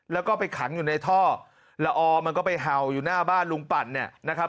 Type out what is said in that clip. แล้วก็ไปขังอยู่ในท่อละออมันก็ไปเห่าอยู่หน้าบ้านลุงปั่นเนี่ยนะครับ